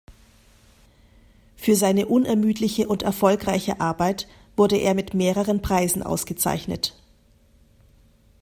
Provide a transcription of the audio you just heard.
Für seine unermüdliche und erfolgreiche Arbeit wurde er mit mehreren Preisen ausgezeichnet.